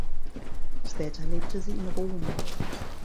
Später lebte sie in Rom.